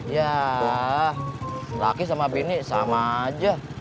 ya laki sama bini sama aja